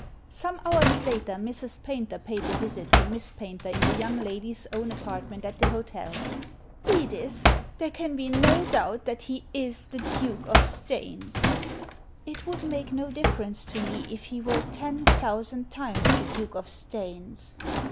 Some hours later Mrs. Paynter paid a visit to Miss Paynter in the young lady's own apartment at the hotel " Edith, there can be no doubt that he is the Duke of Staines." It would make no difference to me if he were ten thousand times the Duke of Staines."